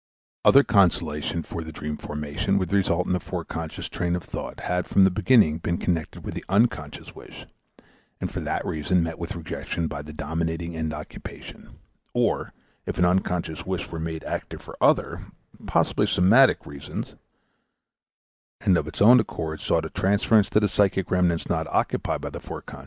Other constellations for the dream formation would result if the foreconscious train of thought had from the beginning been connected with the unconscious wish, and for that reason met with rejection by the dominating end occupation; or if an unconscious wish were made active for other possibly somatic reasons and of its own accord sought a transference to the psychic remnants not occupied by the Forec.